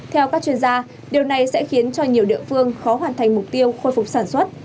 theo các chuyên gia điều này sẽ khiến cho nhiều địa phương khó hoàn thành mục tiêu khôi phục sản xuất